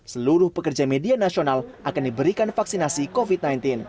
seluruh pekerja media nasional akan diberikan vaksinasi covid sembilan belas